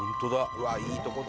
うわっいいとこだ。